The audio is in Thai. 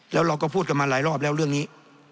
แล้วเราก็พูดกันมาหลายรอบแล้วเรื่องนี้